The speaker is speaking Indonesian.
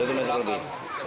satu meter lebih